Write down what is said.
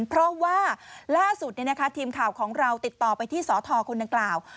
เพราะว่าล่าสุดทีมข่าวของเราติดต่อไปที่สทคนดังกล่าว